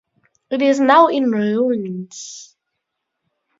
It is now in ruins.